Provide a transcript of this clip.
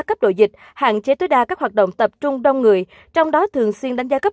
cấp độ dịch hạn chế tối đa các hoạt động tập trung đông người trong đó thường xuyên đánh giá cấp